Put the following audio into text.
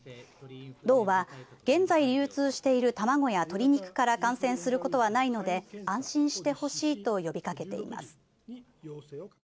道は現在流通している卵や鶏肉から感染することはないので安心してほしいと呼びかけています。